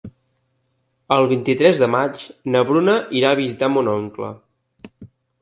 El vint-i-tres de maig na Bruna irà a visitar mon oncle.